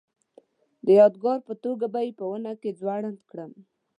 د یادګار په توګه به یې په ونه کې ځوړنده کړم.